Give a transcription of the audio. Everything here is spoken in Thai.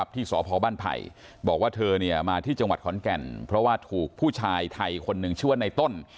ที่สพบ้านไผ่บอกว่าเธอมาที่จังหวัดขอนแก่นเพราะว่าถูกผู้ชายไทยคนหนึ่งชื่อว่าในต้น